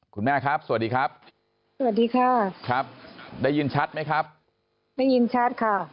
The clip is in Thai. คุณแม่ครับสวัสดีครับสวัสดีค่ะครับได้ยินชัดไหมครับได้ยินชัดค่ะ